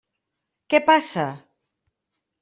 Què passa?